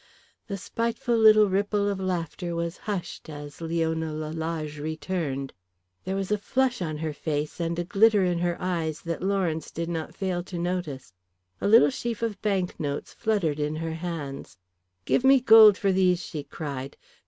The spiteful little ripple of laughter was hushed as Leona Lalage returned. There was a flush on her face and a glitter in her eyes that Lawrence did not fail to notice. A little sheaf of banknotes fluttered in her hands. "Give me gold for these," she cried.